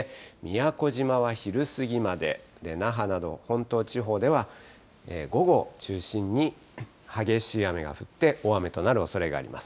宮古島は昼過ぎまで、那覇など本島地方では午後を中心に激しい雨が降って大雨となるおそれがあります。